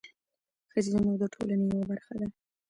ښځې زموږ د ټولنې یوه برخه ده.